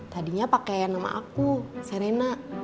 tadinya pakai nama aku serena